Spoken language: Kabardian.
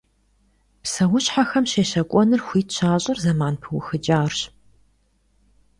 Псэущхьэхэм щещэкӀуэныр хуит щащӀыр зэман пыухыкӀарщ.